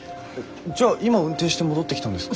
じゃあ今運転して戻ってきたんですか？